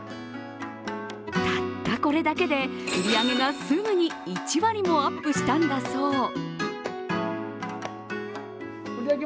たったこれだけで、売り上げがすぐに１割もアップしたんだそう。